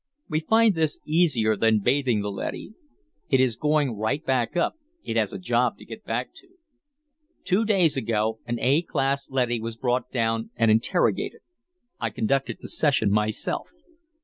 We find this easier than bathing the leady. It is going right back up; it has a job to get back to. "Two days ago, an A class leady was brought down and interrogated. I conducted the session myself.